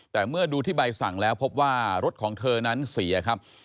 แต่เมื่อดูที่ใบสั่งแล้วพบว่ารถของเธอนั้นเสียครับ